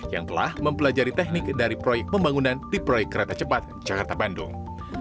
yang telah mempelajari teknik dari proyek pembangunan di proyek kereta cepat jakarta bandung